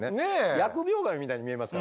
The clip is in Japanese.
疫病神みたいに見えますからねこれね。